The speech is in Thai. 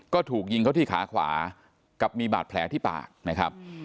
ก็ถูกยิงเขาที่ขาขวากับมีบาดแผลที่ปากนะครับ